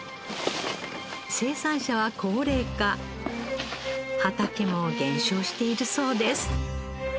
生産者は高齢化畑も減少しているそうです。